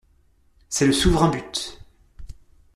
C'est le souverain but!